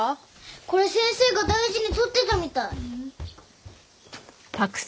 これ先生が大事に取ってたみたい。